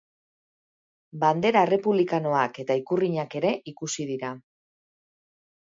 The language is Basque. Bandera errepublikanoak eta ikurrinak ere ikusi dira.